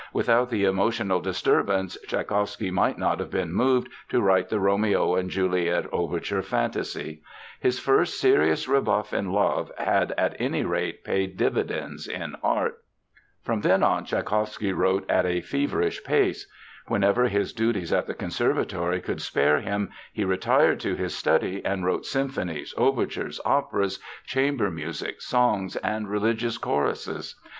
Without the emotional disturbance Tschaikowsky might not have been moved to write the Romeo and Juliet overture fantasy. His first serious rebuff in love had at any rate paid dividends in art. From then on Tschaikowsky wrote at a feverish pace. Whenever his duties at the Conservatory could spare him, he retired to his study and wrote symphonies, overtures, operas, chamber music, songs, and religious choruses.